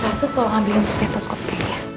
terus tolong ambilin stetoskop sekali ya